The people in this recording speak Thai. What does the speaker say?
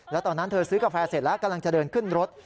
แล้วตอนนั้นเธอซื้อกาแฟเสร็จแล้วกำลังจะเดินขึ้นรถ